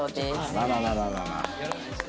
あらららららら。